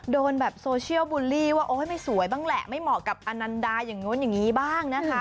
โดนแบบโซเชียลบูลลี่ว่าโอ๊ยไม่สวยบ้างแหละไม่เหมาะกับอนันดาอย่างนู้นอย่างนี้บ้างนะคะ